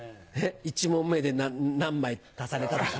１問目で何枚足されたかとか。